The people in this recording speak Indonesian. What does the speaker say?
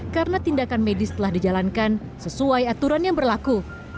karena tindakan medis telah dijalankan sesuai aturan yang berlaku